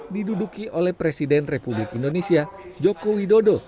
diduduki oleh presiden republik indonesia joko widodo